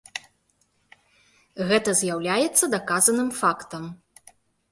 Гэта з'яўляецца даказаным фактам.